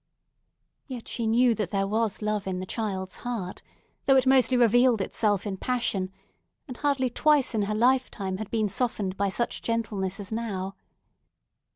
Yet she knew that there was love in the child's heart, although it mostly revealed itself in passion, and hardly twice in her lifetime had been softened by such gentleness as now.